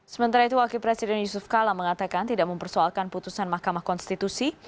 sementara itu wakil presiden yusuf kala mengatakan tidak mempersoalkan putusan mahkamah konstitusi